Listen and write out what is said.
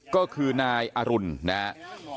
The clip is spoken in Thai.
ก็คือนายอรุณนะฮะ